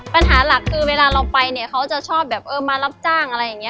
ปัญหาหลักคือเวลาเราไปเนี่ยเขาจะชอบแบบเออมารับจ้างอะไรอย่างนี้